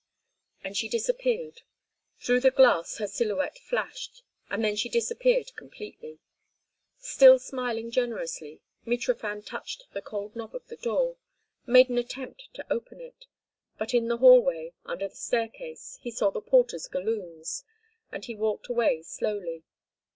And she disappeared. Through the glass her silhouette flashed—and then she disappeared completely. Still smiling generously, Mitrofan touched the cold knob of the door, made an attempt to open it, but in the hallway, under the staircase, he saw the porter's galoons, and he walked away slowly.